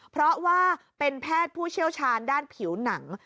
เพราะว่าเป็นแพทย์ผู้เชี่ยวชาญด้านผิวหนัง